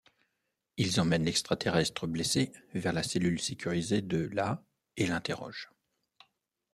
Ils emmènent l'extra-terrestre blessé vers la cellule sécurisée de la et l'interrogent.